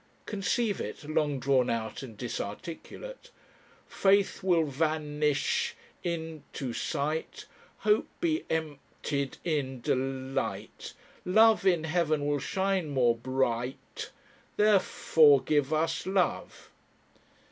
Conceive it, long drawn out and disarticulate, "Faith will van ... ish in ... to sight, Hope be emp ... tied in deli ... ight, Love in Heaven will shine more bri ... ight, There ... fore give us Love."